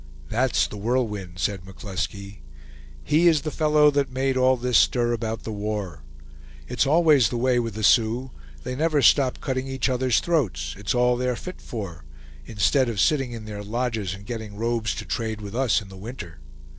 "That's The Whirlwind," said McCluskey. "He is the fellow that made all this stir about the war. It's always the way with the Sioux; they never stop cutting each other's throats; it's all they are fit for; instead of sitting in their lodges, and getting robes to trade with us in the winter.